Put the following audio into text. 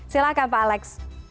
silahkan pak alex